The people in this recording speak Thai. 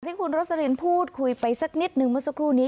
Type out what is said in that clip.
ที่คุณโรสลินพูดคุยไปสักนิดนึงเมื่อสักครู่นี้